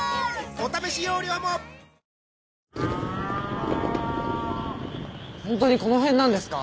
お試し容量もホントにこの辺なんですか？